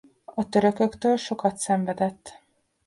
A törököktől sokat szenvedett.